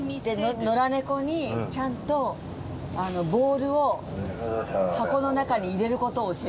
野良猫にちゃんとボールを箱の中に入れる事を教えたの。